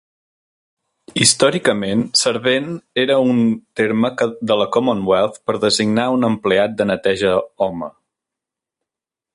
Històricament, servent era un terme de la Commonwelth per designar un empleat de neteja home.